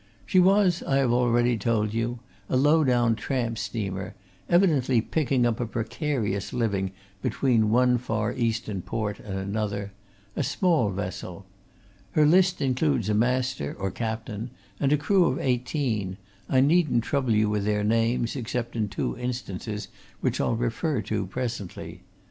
She was, I have already told you, a low down tramp steamer, evidently picking up a precarious living between one far Eastern port and another a small vessel. Her list includes a master, or captain, and a crew of eighteen I needn't trouble you with their names, except in two instances, which I'll refer to presently.